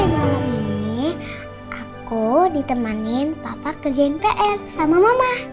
malam ini aku ditemanin papa kerjain pr sama mama